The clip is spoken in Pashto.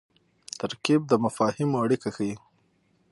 ترکیب د مفاهیمو اړیکه ښيي.